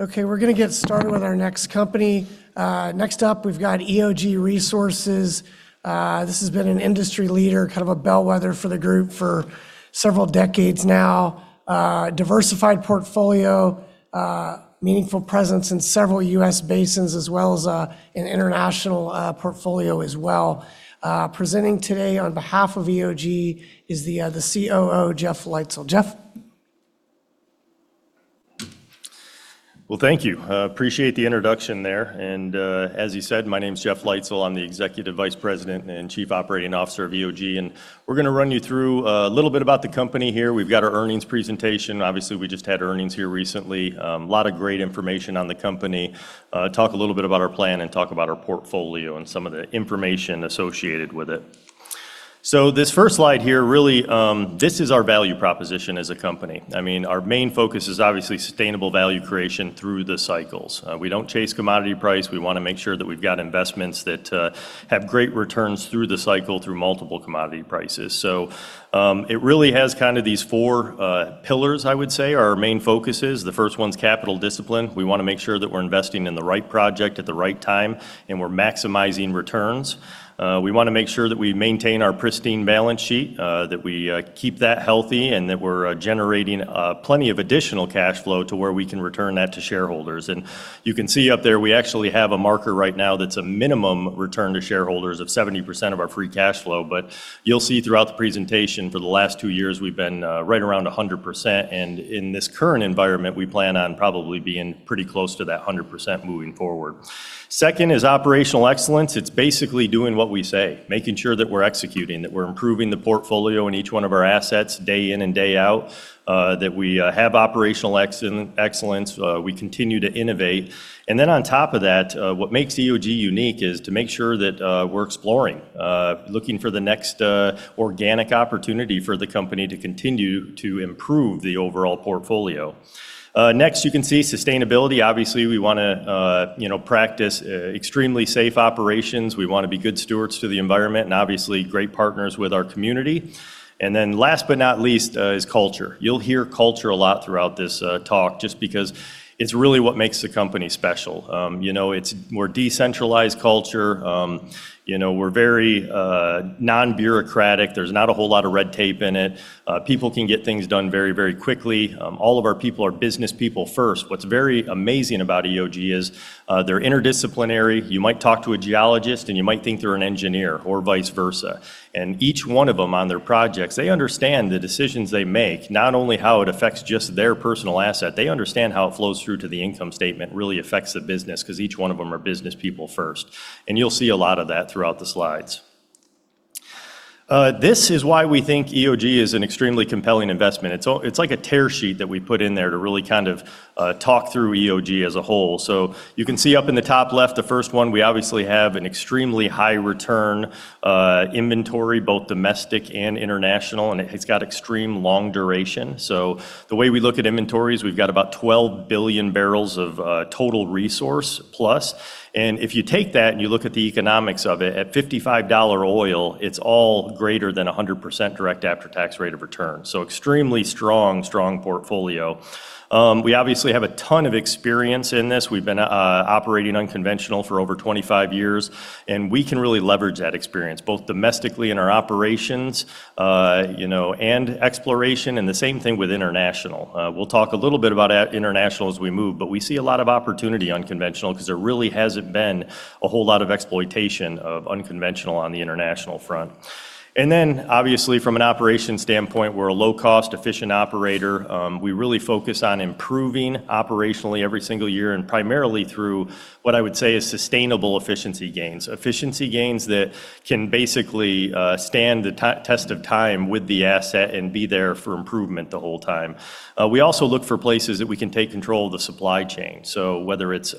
Okay, we're gonna get started with our next company. Next up, we've got EOG Resources. This has been an industry leader, kind of a bellwether for the group for several decades now. Diversified portfolio, meaningful presence in several U.S. basins as well as an international portfolio as well. Presenting today on behalf of EOG is the COO, Jeff Leitzell. Jeff? Well, thank you. appreciate the introduction there. As you said, my name's Jeff Leitzell. I'm the Executive Vice President and Chief Operating Officer of EOG, we're gonna run you through a little bit about the company here. We've got our earnings presentation. Obviously, we just had earnings here recently. A lot of great information on the company. Talk a little bit about our plan and talk about our portfolio and some of the information associated with it. This first slide here, really, this is our value proposition as a company. I mean, our main focus is obviously sustainable value creation through the cycles. We don't chase commodity price. We wanna make sure that we've got investments that have great returns through the cycle through multiple commodity prices. So, um, it really has kind of these four, uh, pillars, I would say, are our main focuses. The first one's capital discipline. We wanna make sure that we're investing in the right project at the right time, and we're maximizing returns. Uh, we wanna make sure that we maintain our pristine balance sheet, uh, that we, uh, keep that healthy, and that we're, uh, generating, uh, plenty of additional cash flow to where we can return that to shareholders. And you can see up there, we actually have a marker right now that's a minimum return to shareholders of seventy percent of our free cash flow. But you'll see throughout the presentation, for the last two years, we've been, uh, right around a hundred percent. And in this current environment, we plan on probably being pretty close to that hundred percent moving forward. Second is operational excellence. It's basically doing what we say, making sure that we're executing, that we're improving the portfolio in each one of our assets day in and day out, that we have operational excellence, we continue to innovate. On top of that, what makes EOG unique is to make sure that we're exploring, looking for the next organic opportunity for the company to continue to improve the overall portfolio. Next, you can see sustainability. Obviously, we wanna, you know, practice extremely safe operations. We wanna be good stewards to the environment and obviously great partners with our community. Last but not least, is culture. You'll hear culture a lot throughout this talk just because it's really what makes the company special. You know, it's more decentralized culture. You know, we're very non-bureaucratic. There's not a whole lot of red tape in it. People can get things done very, very quickly. All of our people are businesspeople first. What's very amazing about EOG is, they're interdisciplinary. You might talk to a geologist, and you might think they're an engineer or vice versa. Each one of them on their projects, they understand the decisions they make, not only how it affects just their personal asset, they understand how it flows through to the income statement, really affects the business 'cause each one of them are businesspeople first. You'll see a lot of that throughout the slides. This is why we think EOG is an extremely compelling investment. It's like a tear sheet that we put in there to really kind of talk through EOG as a whole. You can see up in the top left, the first one, we obviously have an extremely high return, inventory, both domestic and international, and it's got extreme long duration. The way we look at inventories, we've got about 12 billion barrels of total resource plus. If you take that and you look at the economics of it, at $55 oil, it's all greater than 100% direct after-tax rate of return. Extremely strong portfolio. We obviously have a ton of experience in this. We've been operating unconventional for over 25 years, and we can really leverage that experience, both domestically in our operations, you know, and exploration and the same thing with international. We'll talk a little bit about international as we move, but we see a lot of opportunity unconventional 'cause there really hasn't been a whole lot of exploitation of unconventional on the international front. Obviously from an operations standpoint, we're a low-cost, efficient operator. We really focus on improving operationally every single year and primarily through what I would say is sustainable efficiency gains, efficiency gains that can basically stand the test of time with the asset and be there for improvement the whole time. We also look for places that we can take control of the supply chain. Whether it's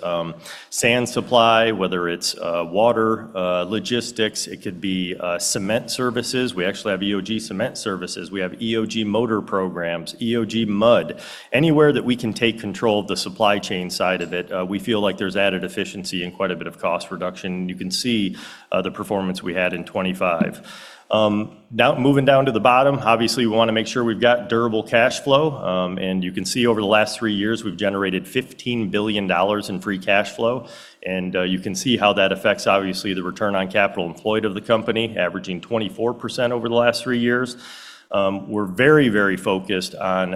sand supply, whether it's water, logistics, it could be cement services. We actually have EOG Cement Services. We have EOG Motor Programs, EOG Mud. Anywhere that we can take control of the supply chain side of it, we feel like there's added efficiency and quite a bit of cost reduction. You can see the performance we had in 2025. Now moving down to the bottom, obviously, we wanna make sure we've got durable cash flow. You can see over the last 3 years, we've generated $15 billion in free cash flow, and you can see how that affects obviously the return on capital employed of the company, averaging 24% over the last 3 years. We're very, very focused on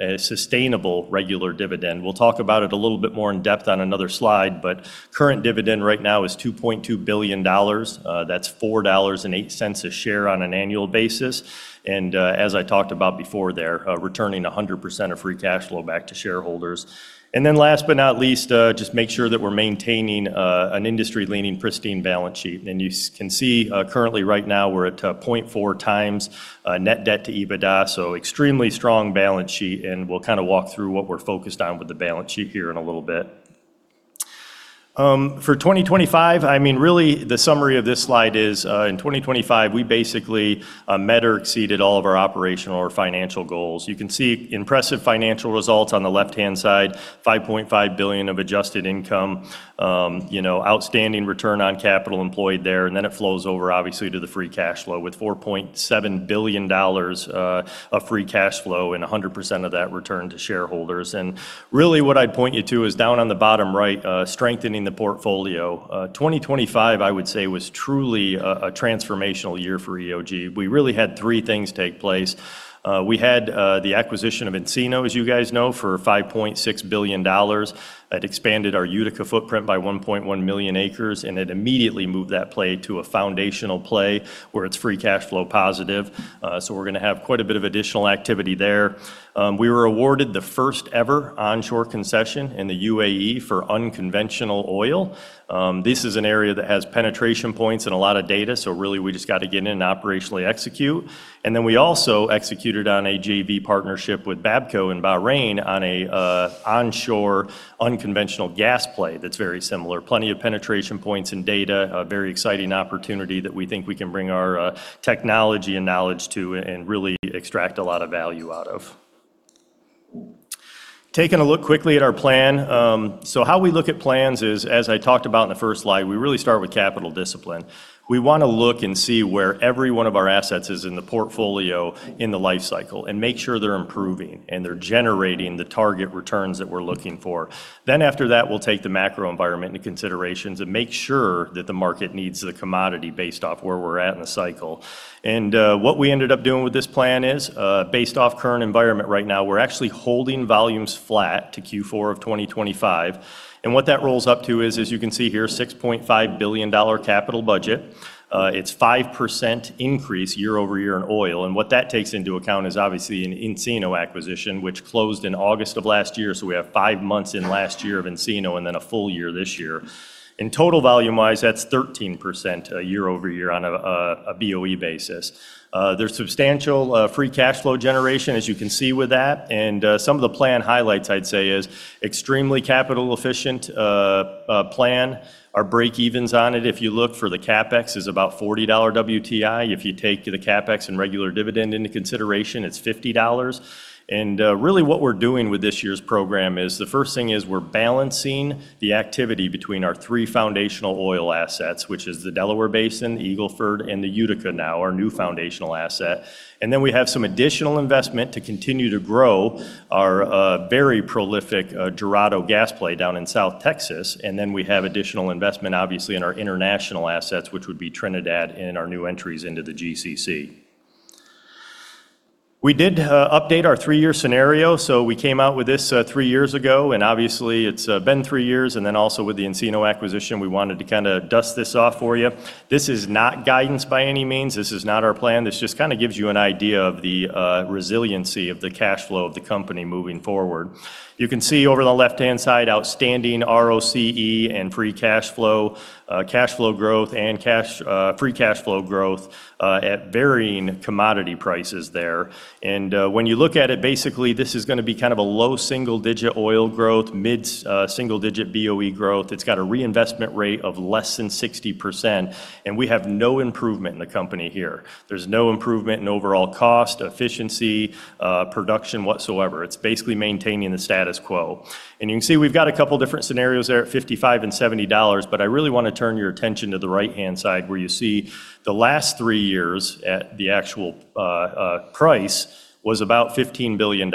a sustainable regular dividend. We'll talk about it a little bit more in depth on another slide, but current dividend right now is $2.2 billion. That's $4.08 a share on an annual basis. As I talked about before there, returning 100% of free cash flow back to shareholders. Last but not least, just make sure that we're maintaining an industry-leading pristine balance sheet. You can see, currently Net Debt to EBITDA, so extremely strong balance sheet, and we'll kind of walk through what we're focused on with the balance sheet here in a little bit. For 2025, I mean, really the summary of this slide is, in 2025, we basically met or exceeded all of our operational or financial goals. You can see impressive financial results on the left-hand side, $5.5 billion of adjusted income. you know, outstanding return on capital employed there, it flows over obviously to the free cash flow with $4.7 billion of free cash flow and 100% of that returned to shareholders. Really what I'd point you to is down on the bottom right, strengthening the portfolio. 2025, I would say, was truly a transformational year for EOG. We really had 3 things take place. We had the acquisition of Encino, as you guys know, for $5.6 billion. That expanded our Utica footprint by 1.1 million acres, and it immediately moved that play to a foundational play where it's free cash flow positive. We're gonna have quite a bit of additional activity there. We were awarded the first ever onshore concession in the UAE for unconventional oil. This is an area that has penetration points and a lot of data, really we just got to get in and operationally execute. We also executed on a JV partnership with Bapco in Bahrain on an onshore unconventional gas play that's very similar. Plenty of penetration points and data, a very exciting opportunity that we think we can bring our technology and knowledge and really extract a lot of value out of. Taking a look quickly at our plan. How we look at plans is, as I talked about in the first slide, we really start with capital discipline. We wanna look and see where every one of our assets is in the portfolio in the life cycle and make sure they're improving and they're generating the target returns that we're looking for. After that, we'll take the macro environment into considerations and make sure that the market needs the commodity based off where we're at in the cycle. What we ended up doing with this plan is based off current environment right now, we're actually holding volumes flat to Q4 of 2025. What that rolls up to is, as you can see here, $6.5 billion capital budget. It's 5% increase year-over-year in oil, and what that takes into account is obviously an Encino acquisition, which closed in August of last year, so we have 5 months in last year of Encino and then a full year this year. In total volume-wise, that's 13% YoY on a BOE basis. There's substantial free cash flow generation, as you can see with that. some of the plan highlights I'd say is extremely capital efficient plan. Our breakevens on it, if you look for the CapEx, is about $40 WTI. If you take the CapEx and regular dividend into consideration, it's $50. really what we're doing with this year's program is the first thing is we're balancing the activity between our three foundational oil assets, which is the Delaware Basin, the Eagle Ford, and the Utica now, our new foundational asset. We have some additional investment to continue to grow our very prolific Dorado gas play down in South Texas. We have additional investment obviously in our international assets, which would be Trinidad and our new entries into the GCC. We did update our three-year scenario. We came out with this, 3 years ago, and obviously it's been 3 years. Also with the Encino acquisition, we wanted to kinda dust this off for you. This is not guidance by any means. This is not our plan. This just kinda gives you an idea of the resiliency of the cash flow of the company moving forward. You can see over on the left-hand side, outstanding ROCE and free cash flow, free cash flow growth, at varying commodity prices there. When you look at it, basically this is gonna be kind of a low single-digit oil growth, mid single-digit BOE growth. It's got a reinvestment rate of less than 60%, and we have no improvement in the company here. There's no improvement in overall cost, efficiency, production whatsoever. It's basically maintaining the status quo. You can see we've got a couple different scenarios there at 55 and $70, I really wanna turn your attention to the right-hand side where you see the last three years at the actual price was about $15 billion.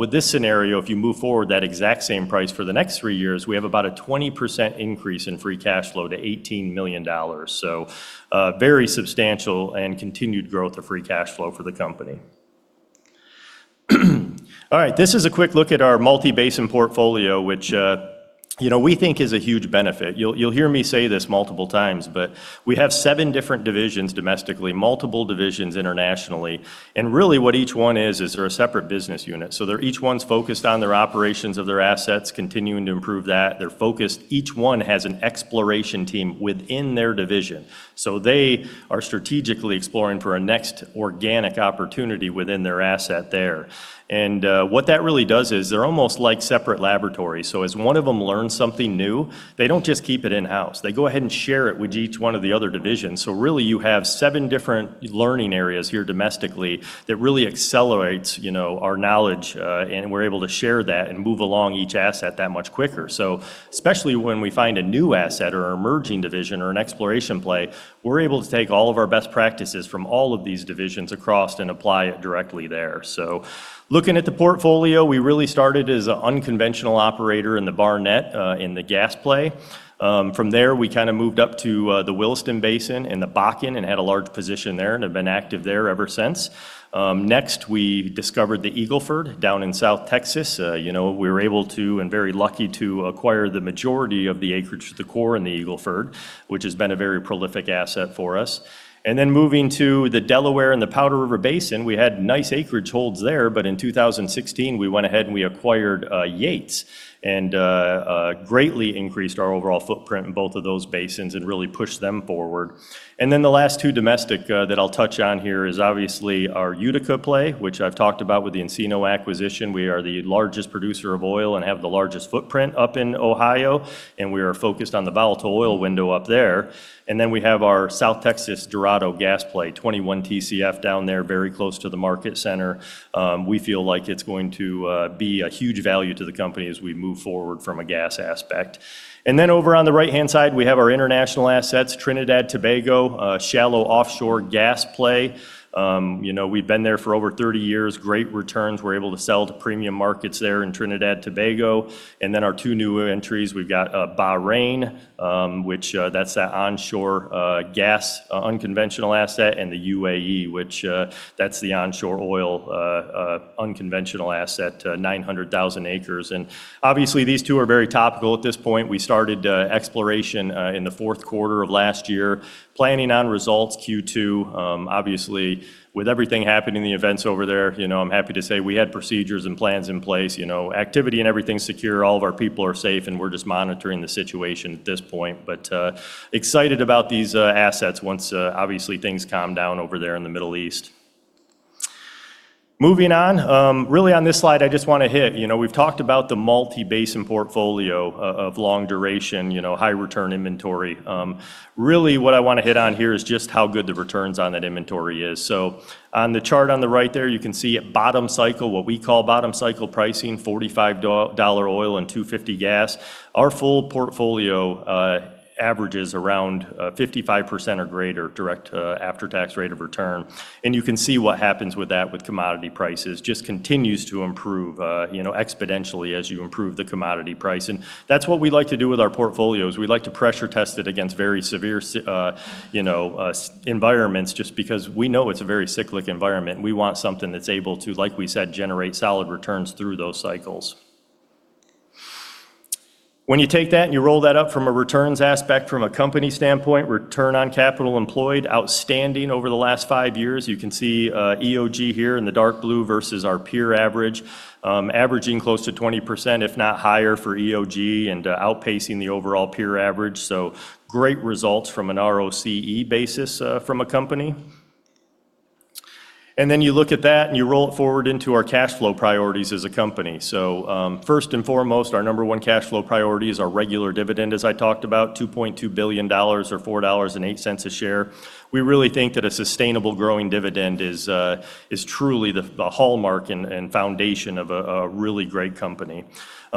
With this scenario, if you move forward that exact same price for the next three years, we have about a 20% increase in free cash flow to $18 million. Very substantial and continued growth of free cash flow for the company. This is a quick look at our multi-basin portfolio, which, you know, we think is a huge benefit. You'll hear me say this multiple times, but we have seven different divisions domestically, multiple divisions internationally. Really what each one is they're a separate business unit. Each one's focused on their operations of their assets, continuing to improve that. They're focused. Each one has an exploration team within their division. They are strategically exploring for a next organic opportunity within their asset there. What that really does is they're almost like separate laboratories. As one of them learns something new, they don't just keep it in-house. They go ahead and share it with each one of the other divisions. Really you have seven different learning areas here domestically that really accelerates, you know, our knowledge, and we're able to share that and move along each asset that much quicker. Especially when we find a new asset or an emerging division or an exploration play, we're able to take all of our best practices from all of these divisions across and apply it directly there. Looking at the portfolio, we really started as an unconventional operator in the Barnett, in the gas play. From there, we kind of moved up to the Williston Basin and the Bakken and had a large position there and have been active there ever since. Next, we discovered the Eagle Ford down in South Texas. You know, we were able to and very lucky to acquire the majority of the acreage to the core in the Eagle Ford, which has been a very prolific asset for us. Moving to the Delaware and the Powder River Basin, we had nice acreage holds there, in 2016, we went ahead, and we acquired Yates and greatly increased our overall footprint in both of those basins and really pushed them forward. The last two domestic that I'll touch on here is obviously our Utica play, which I've talked about with the Encino acquisition. We are the largest producer of oil and have the largest footprint up in Ohio. We are focused on the volatile oil window up there. We have our South Texas Dorado gas play, 21 TCF down there, very close to the market center. We feel like it's going to be a huge value to the company as we move forward from a gas aspect. Over on the right-hand side, we have our international assets, Trinidad Tobago, shallow offshore gas play. You know, we've been there for over 30 years, great returns. We're able to sell to premium markets there in Trinidad Tobago. Our two new entries, we've got Bahrain, which that's that onshore gas unconventional asset, and the UAE, which that's the onshore oil unconventional asset, 900,000 acres. These two are very topical at this point. We started exploration in the fourth quarter of last year, planning on results Q2. Obviously with everything happening, the events over there, you know, I'm happy to say we had procedures and plans in place. You know, activity and everything's secure. All of our people are safe, and we're just monitoring the situation at this point. Excited about these assets once obviously things calm down over there in the Middle East. Moving on, really on this slide I just wanna hit, you know, we've talked about the multi-basin portfolio of long duration, you know, high return inventory. Really what I wanna hit on here is just how good the returns on that inventory is. On the chart on the right there, you can see at bottom cycle, what we call bottom cycle pricing, $45 oil and $2.50 gas. Our full portfolio averages around 55% or greater direct after-tax rate of return. You can see what happens with that with commodity prices, just continues to improve, you know, exponentially as you improve the commodity price. That's what we like to do with our portfolios. We like to pressure test it against very severe you know, environments just because we know it's a very cyclic environment, and we want something that's able to, like we said, generate solid returns through those cycles. When you take that and you roll that up from a returns aspect from a company standpoint, return on capital employed, outstanding over the last 5 years. You can see EOG here in the dark blue versus our peer average, averaging close to 20% if not higher for EOG and outpacing the overall peer average. Great results from an ROCE basis from a company. Then you look at that, and you roll it forward into our cash flow priorities as a company. First and foremost, our number one cash flow priority is our regular dividend, as I talked about, $2.2 billion or $4.08 a share. We really think that a sustainable growing dividend is truly the hallmark and foundation of a really great company.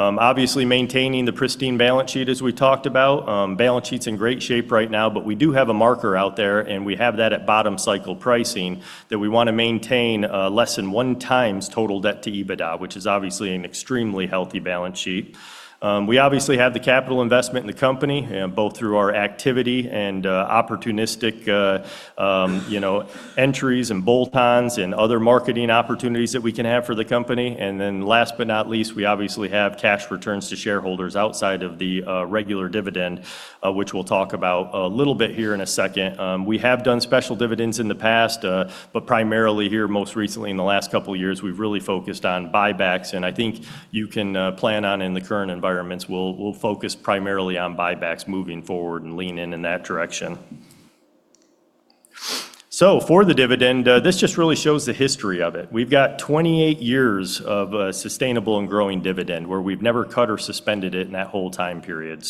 Obviously maintaining the pristine balance sheet as we talked about. Balance sheet's in great shape right now, but we do have a marker out there, and we have that at bottom cycle pricing that we want to maintain less than 1x total Debt to EBITDA, which is obviously an extremely healthy balance sheet. We obviously have the capital investment in the company, both through our activity and opportunistic, you know, entries and bolt-ons and other marketing opportunities that we can have for the company. Last but not least, we obviously have cash returns to shareholders outside of the regular dividend, which we'll talk about a little bit here in a second. We have done special dividends in the past, but primarily here most recently in the last couple years, we've really focused on buybacks, and I think you can plan on in the current environments, we'll focus primarily on buybacks moving forward and lean in in that direction. For the dividend, this just really shows the history of it. We've got 28 years of a sustainable and growing dividend where we've never cut or suspended it in that whole time period.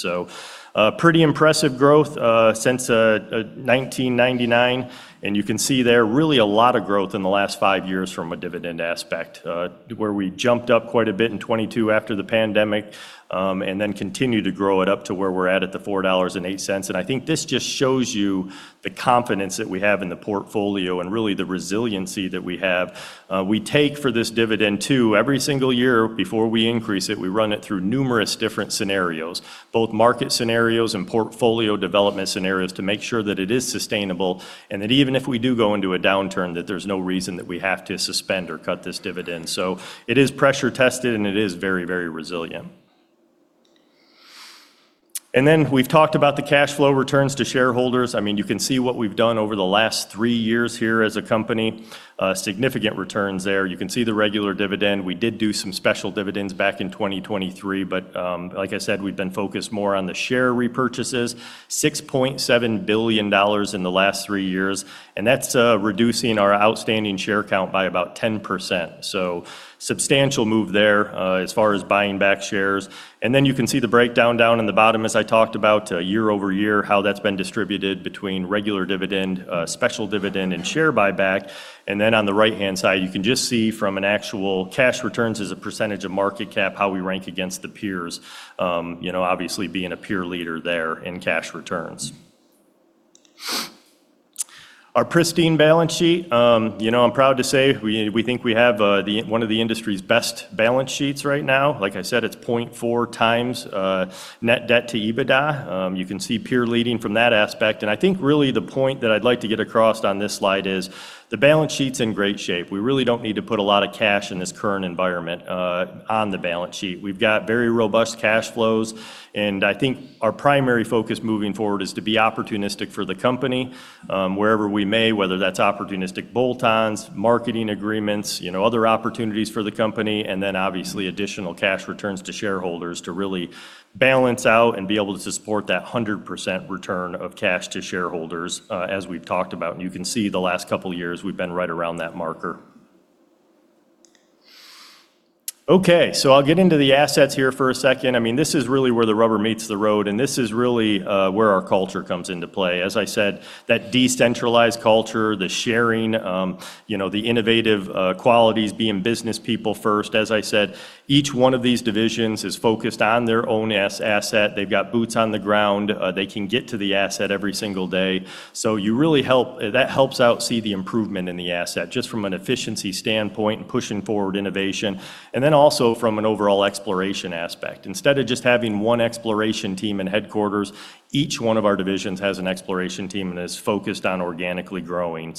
Pretty impressive growth since 1999. You can see there really a lot of growth in the last 5 years from a dividend aspect, where we jumped up quite a bit in 2022 after the pandemic, then continued to grow it up to where we're at at the $4.08. I think this just shows you the confidence that we have in the portfolio and really the resiliency that we have. We take for this dividend too, every single year before we increase it, we run it through numerous different scenarios, both market scenarios and portfolio development scenarios, to make sure that it is sustainable and that even if we do go into a downturn, that there's no reason that we have to suspend or cut this dividend. It is pressure tested, and it is very, very resilient. We've talked about the cash flow returns to shareholders. I mean, you can see what we've done over the last 3 years here as a company, significant returns there. You can see the regular dividend. We did do some special dividends back in 2023, but, like I said, we've been focused more on the share repurchases. $6.7 billion in the last 3 years, and that's reducing our outstanding share count by about 10%. Substantial move there as far as buying back shares. You can see the breakdown down in the bottom as I talked about, year-over-year, how that's been distributed between regular dividend, special dividend, and share buyback. Then on the right-hand side, you can just see from an actual cash returns as a percentage of market cap how we rank against the peers, you know, obviously being a peer leader there in cash returns. Our pristine balance sheet, you know, I'm proud to say we think we have one of the industry's best balance sheets right now. Net Debt to EBITDA. you can see peer leading from that aspect. I think really the point that I'd like to get across on this slide is the balance sheet's in great shape. We really don't need to put a lot of cash in this current environment on the balance sheet. We've got very robust cash flows. I think our primary focus moving forward is to be opportunistic for the company, wherever we may, whether that's opportunistic bolt-ons, marketing agreements, you know, other opportunities for the company, obviously additional cash returns to shareholders to really balance out and be able to support that 100% return of cash to shareholders, as we've talked about. You can see the last couple years we've been right around that marker. I'll get into the assets here for a second. I mean, this is really where the rubber meets the road. This is really where our culture comes into play. As I said, that decentralized culture, the sharing, you know, the innovative qualities, being business people first. As I said, each one of these divisions is focused on their own asset. They've got boots on the ground. They can get to the asset every single day. That helps out see the improvement in the asset, just from an efficiency standpoint, pushing forward innovation, and then also from an overall exploration aspect. Instead of just having one exploration team in headquarters, each one of our divisions has an exploration team and is focused on organically growing.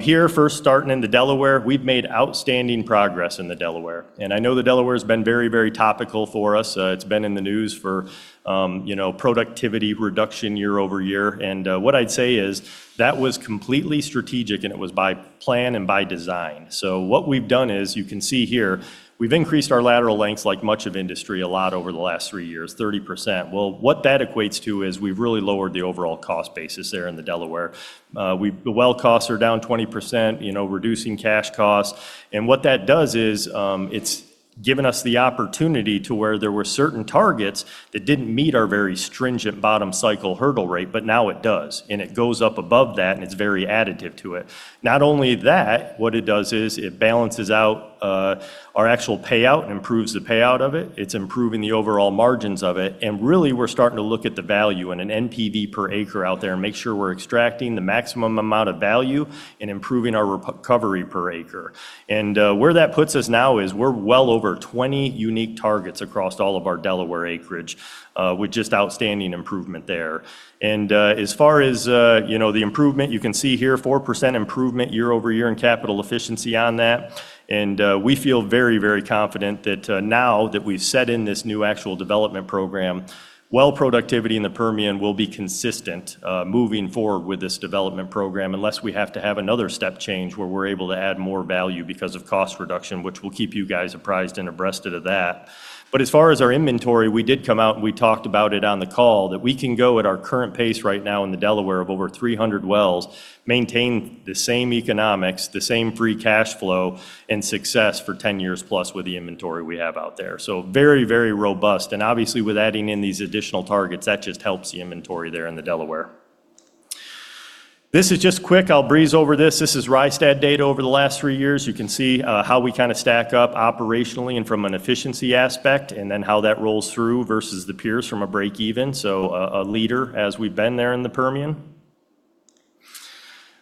Here first starting in the Delaware, we've made outstanding progress in the Delaware, and I know the Delaware's been very topical for us. It's been in the news for, you know, productivity reduction year-over-year. What I'd say is that was completely strategic, and it was by plan and by design. What we've done is, you can see here, we've increased our lateral lengths like much of industry a lot over the last 3 years, 30%. What that equates to is we've really lowered the overall cost basis there in the Delaware. The well costs are down 20%, you know, reducing cash costs. What that does is, it's given us the opportunity to where there were certain targets that didn't meet our very stringent bottom cycle hurdle rate, but now it does, and it goes up above that, and it's very additive to it. Not only that, what it does is it balances out our actual payout, improves the payout of it. It's improving the overall margins of it. Really we're starting to look at the value in an NPV per acre out there and make sure we're extracting the maximum amount of value and improving our re-recovery per acre. Where that puts us now is we're well over 20 unique targets across all of our Delaware acreage with just outstanding improvement there. As far as, you know, the improvement, you can see here 4% improvement year-over-year in capital efficiency on that. We feel very, very confident that now that we've set in this new actual development program, well productivity in the Permian will be consistent moving forward with this development program unless we have to have another step change where we're able to add more value because of cost reduction, which we'll keep you guys apprised and abreast of that. As far as our inventory, we did come out, and we talked about it on the call that we can go at our current pace right now in the Delaware of over 300 wells, maintain the same economics, the same free cash flow and success for 10 years+ with the inventory we have out there. Very, very robust, and obviously with adding in these additional targets, that just helps the inventory there in the Delaware. This is just quick. I'll breeze over this. This is Rystad data over the last 3 years. You can see how we kinda stack up operationally and from an efficiency aspect, and then how that rolls through versus the peers from a break even. A leader as we've been there in the Permian.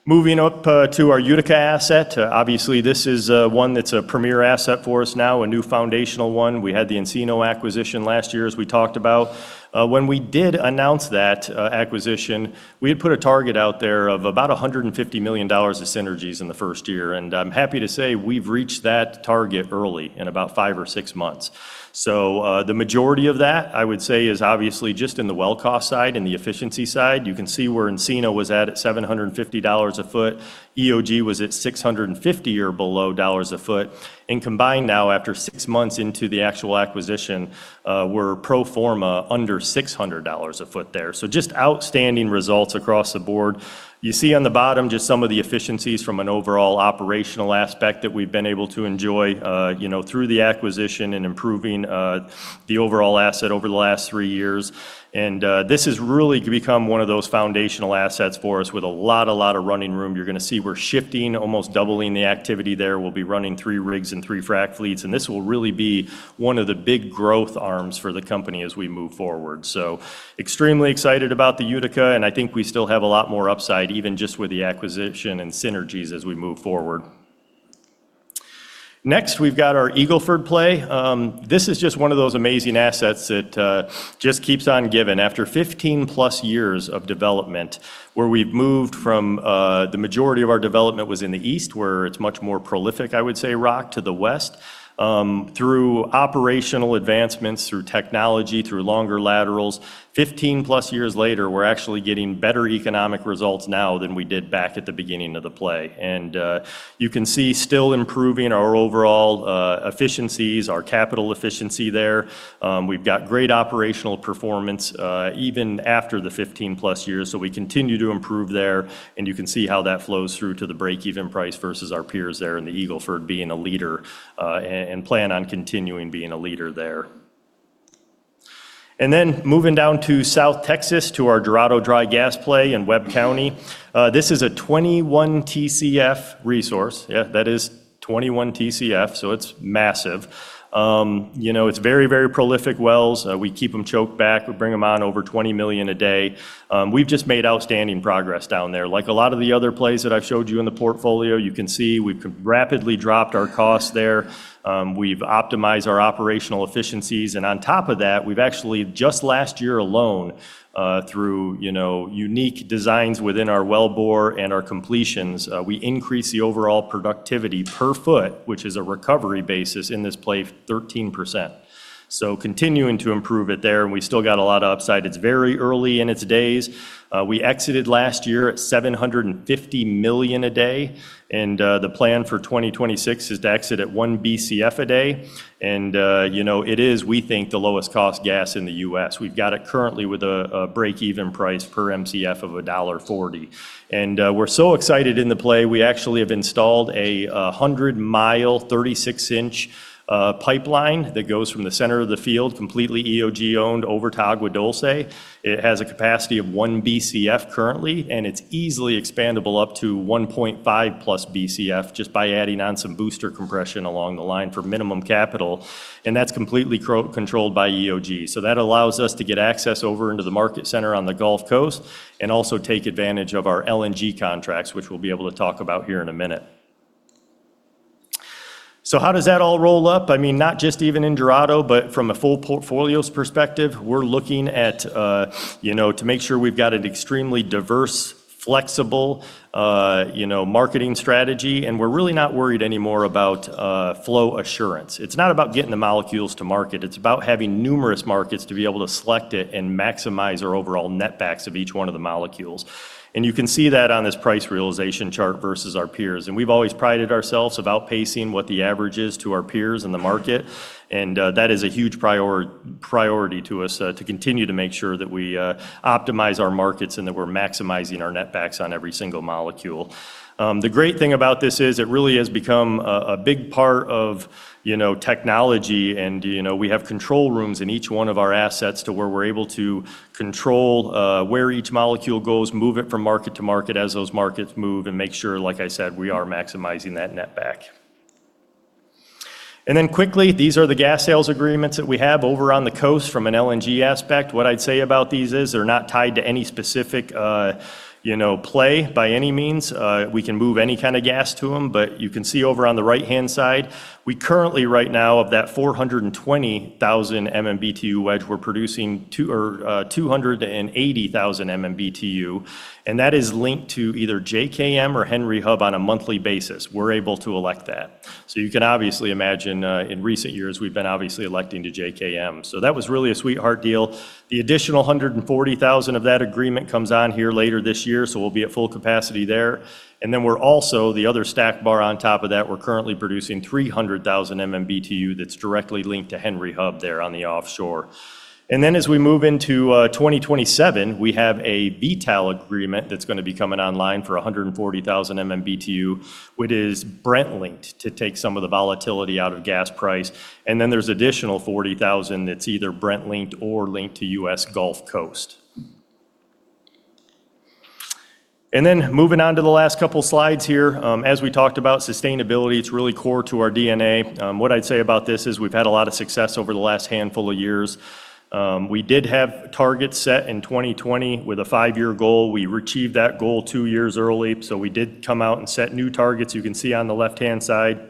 Moving up to our Utica asset. Obviously this is one that's a premier asset for us now, a new foundational one. We had the Encino acquisition last year, as we talked about. When we did announce that acquisition, we had put a target out there of about $150 million of synergies in the first year. I'm happy to say we've reached that target early in about five or six months. The majority of that, I would say, is obviously just in the well cost side and the efficiency side. You can see where Encino was at at $750 a foot. EOG was at $650 or below a foot. Combined now after six months into the actual acquisition, we're pro forma under $600 a foot there. Just outstanding results across the board. You see on the bottom just some of the efficiencies from an overall operational aspect that we've been able to enjoy, you know, through the acquisition and improving the overall asset over the last three years. This has really become one of those foundational assets for us with a lot of running room. You're gonna see we're shifting, almost doubling the activity there. We'll be running three rigs and three frack fleets, and this will really be one of the big growth arms for the company as we move forward. Extremely excited about the Utica, and I think we still have a lot more upside even just with the acquisition and synergies as we move forward. Next, we've got our Eagle Ford play. This is just one of those amazing assets that just keeps on giving. After 15+ years of development, where we've moved from, the majority of our development was in the east where it's much more prolific, I would say, rock to the west. Through operational advancements, through technology, through longer laterals, 15+ years later, we're actually getting better economic results now than we did back at the beginning of the play. You can see still improving our overall efficiencies, our capital efficiency there. We've got great operational performance, even after the 15+ years, so we continue to improve there, and you can see how that flows through to the break even price versus our peers there in the Eagle Ford being a leader, and plan on continuing being a leader there. Moving down to South Texas to our Dorado Dry Gas play in Webb County. This is a 21 TCF resource. Yeah, that is 21 TCF, so it's massive. You know, it's very, very prolific wells. We keep 'em choked back. We bring 'em on over 20 million a day. We've just made outstanding progress down there. Like a lot of the other plays that I've showed you in the portfolio, you can see we've rapidly dropped our costs there. We've optimized our operational efficiencies, and on top of that, we've actually just last year alone, through, you know, unique designs within our wellbore and our completions, we increased the overall productivity per foot, which is a recovery basis in this play, 13%. Continuing to improve it there, and we still got a lot of upside. It's very early in its days. We exited last year at $750 million a day, the plan for 2026 is to exit at 1 BCF a day. You know, it is, we think, the lowest cost gas in the U.S. We've got it currently with a break even price per MCF of $1.40. We're so excited in the play. We actually have installed a 100 mile 36 inch pipeline that goes from the center of the field, completely EOG owned over to Agua Dulce. It has a capacity of 1 BCF currently, and it's easily expandable up to 1.5+ BCF just by adding on some booster compression along the line for minimum capital, and that's completely controlled by EOG. That allows us to get access over into the market center on the Gulf Coast and also take advantage of our LNG contracts, which we'll be able to talk about here in a minute. How does that all roll up? I mean, not just even in Dorado, but from a full portfolio's perspective, we're looking at, you know, to make sure we've got an extremely diverse, flexible, marketing strategy, and we're really not worried anymore about flow assurance. It's not about getting the molecules to market. It's about having numerous markets to be able to select it and maximize our overall netbacks of each one of the molecules. You can see that on this price realization chart versus our peers. We've always prided ourselves of outpacing what the average is to our peers in the market, that is a huge Priority to us to continue to make sure that we optimize our markets and that we're maximizing our netbacks on every single molecule. The great thing about this is it really has become a big part of, you know, technology and, you know, we have control rooms in each one of our assets to where we're able to control where each molecule goes, move it from market to market as those markets move, and make sure, like I said, we are maximizing that netback. Quickly, these are the gas sales agreements that we have over on the coast from an LNG aspect. What I'd say about these is they're not tied to any specific, you know, play by any means. We can move any kind of gas to them. You can see over on the right-hand side, we currently right now of that 420,000 MMBtu wedge, we're producing 280,000 MMBtu, and that is linked to either JKM or Henry Hub on a monthly basis. We're able to elect that. You can obviously imagine, in recent years we've been obviously electing to JKM. That was really a sweetheart deal. The additional 140,000 of that agreement comes on here later this year, so we'll be at full capacity there. We're also, the other stack bar on top of that, we're currently producing 300,000 MMBtu that's directly linked to Henry Hub there on the offshore. As we move into 2027, we have a Vitol agreement that's gonna be coming online for 140,000 MMBtu, which is Brent-linked to take some of the volatility out of gas price. There's additional 40,000 that's either Brent-linked or linked to U.S. Gulf Coast. Moving on to the last couple slides here. As we talked about sustainability, it's really core to our DNA. What I'd say about this is we've had a lot of success over the last handful of years. We did have targets set in 2020 with a five-year goal. We achieved that goal 2 years early. We did come out and set new targets. You can see on the left-hand side,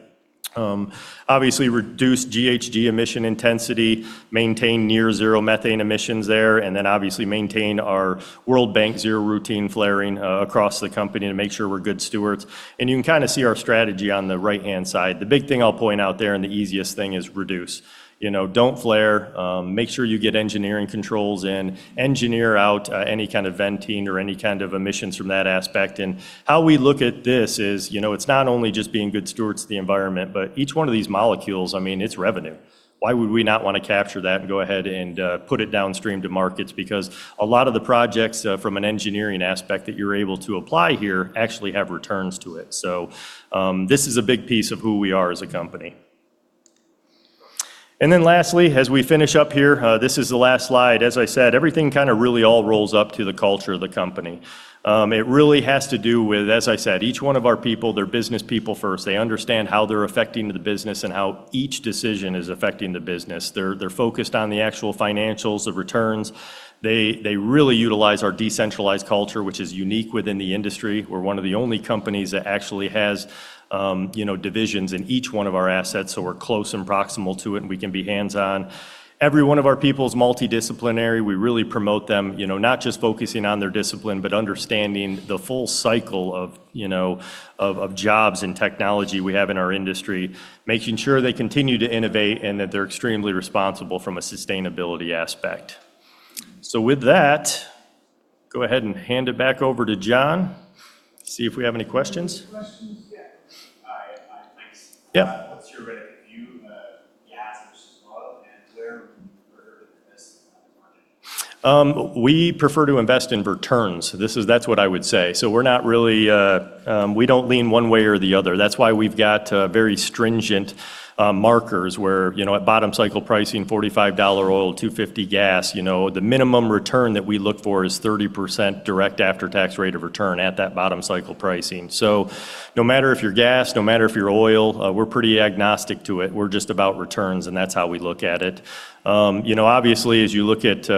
obviously reduced GHG emission intensity, maintain near zero methane emissions there, then obviously maintain our World Bank Zero Routine Flaring across the company to make sure we're good stewards. You can kind of see our strategy on the right-hand side. The big thing I'll point out there, and the easiest thing, is reduce. You know, don't flare. Make sure you get engineering controls in. Engineer out any kind of venting or any kind of emissions from that aspect. How we look at this is, you know, it's not only just being good stewards of the environment, but each one of these molecules, I mean, it's revenue. Why would we not wanna capture that and go ahead and put it downstream to markets? Because a lot of the projects from an engineering aspect that you're able to apply here actually have returns to it. This is a big piece of who we are as a company. Lastly, as we finish up here, this is the last slide. As I said, everything kind of really all rolls up to the culture of the company. It really has to do with, as I said, each one of our people, they're business people first. They understand how they're affecting the business and how each decision is affecting the business. They're focused on the actual financials, the returns. They really utilize our decentralized culture, which is unique within the industry. We're one of the only companies that actually has, you know, divisions in each one of our assets, so we're close and proximal to it, and we can be hands-on. Every one of our people is multidisciplinary. We really promote them, you know, not just focusing on their discipline, but understanding the full cycle of, you know, of jobs and technology we have in our industry, making sure they continue to innovate and that they're extremely responsible from a sustainability aspect. With that, go ahead and hand it back over to John. See if we have any questions? Any questions? Yeah. Hi. thanks. What's your view of gas versus oil, and where would you prefer to invest in that market? We prefer to invest in returns. That's what I would say. We're not really, we don't lean one way or the other. That's why we've got very stringent markers where, you know, at bottom cycle pricing, $45 oil, $2.50 gas, you know, the minimum return that we look for is 30% direct after-tax rate of return at that bottom cycle pricing. No matter if you're gas, no matter if you're oil, we're pretty agnostic to it. We're just about returns, and that's how we look at it. Obviously, as you look at,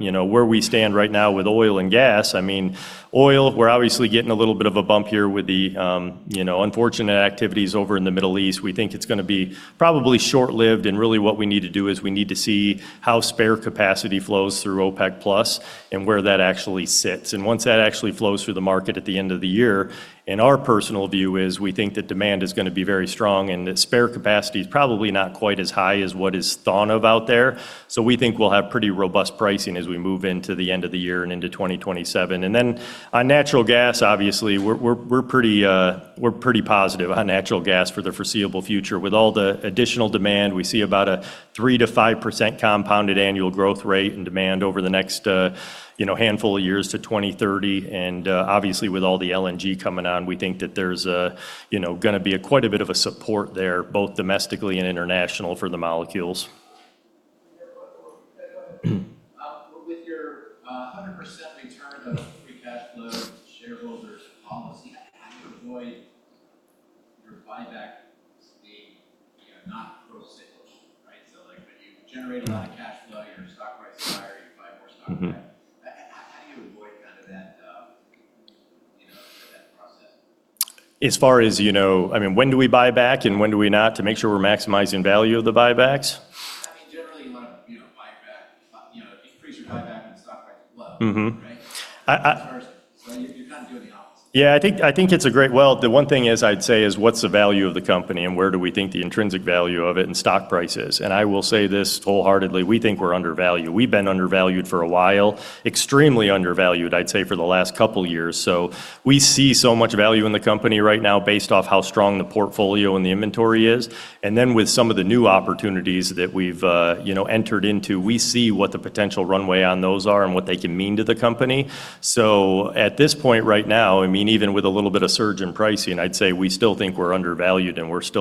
you know, where we stand right now with oil and gas, I mean, oil, we're obviously getting a little bit of a bump here with the, you know, unfortunate activities over in the Middle East. We think it's gonna be probably short-lived. Really what we need to do is we need to see how spare capacity flows through OPEC+ and where that actually sits. Once that actually flows through the market at the end of the year, and our personal view is we think that demand is gonna be very strong and that spare capacity is probably not quite as high as what is thought of out there. We think we'll have pretty robust pricing as we move into the end of the year and into 2027. On natural gas, obviously, we're pretty positive on natural gas for the foreseeable future. With all the additional demand, we see about a 3%-5% compounded annual growth rate in demand over the next, you know, handful of years to 2030. Obviously with all the LNG coming on, we think that there's, you know, gonna be a quite a bit of a support there, both domestically and international for the molecules. Yeah. Go ahead. With your 100% return of free cash flow shareholders policy, how do you avoid your buyback being, you know, not procyclical, right? Like when you generate a lot of cash flow, your stock price is higher, you buy more stock. Mm-hmm. How do you avoid kind of that, you know, that process? As far as, you know, I mean, when do we buy back and when do we not to make sure we're maximizing value of the buybacks? I mean, generally you wanna, you know, buy back, you know, increase your buyback when the stock price is low. Mm-hmm. Right? As far as. You're kind of doing the opposite. Yeah. I think. Well, the one thing is I'd say is what's the value of the company and where do we think the intrinsic value of it in stock price is? I will say this wholeheartedly, we think we're undervalued. We've been undervalued for a while, extremely undervalued, I'd say, for the last couple years. We see so much value in the company right now based off how strong the portfolio and the inventory is. With some of the new opportunities that we've, you know, entered into, we see what the potential runway on those are and what they can mean to the company. At this point right now, I mean, even with a little bit of surge in pricing, I'd say we still think we're undervalued.